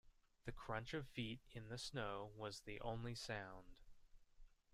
The crunch of feet in the snow was the only sound.